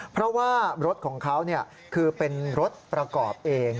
เพราะว่ารถของเขาคือเป็นรถประกอบเอง